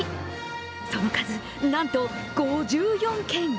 その数、なんと５４件。